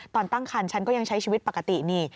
ตอนตั้งคันฉันก็ยังใช้ชีวิตปกตินี่